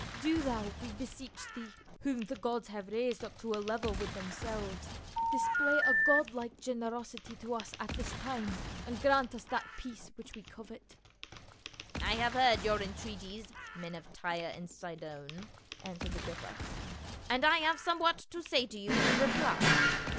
Do thou, we beseech thee — whom the gods have raised up to a level with themselves, display a god like generosity to us at this time, and grant us that peace which we covet." RETRIBUTION. 269 " I have heard your entreaties, merr of Tyre and Sidon," answered Agrippa, "and I have somewhat to say to you in reply."